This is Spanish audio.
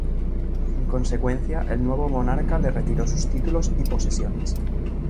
En consecuencia, el nuevo monarca le retiró sus títulos y posesiones.